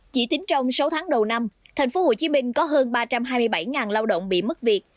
chỉ tính trong sáu tháng đầu năm thành phố hồ chí minh có hơn ba trăm hai mươi bảy lao động bị mất việc